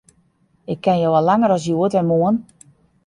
Ik ken jo al langer as hjoed en moarn.